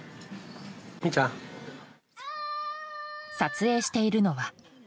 撮影しているのは。